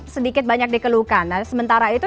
sedikit banyak dikeluhkan nah sementara itu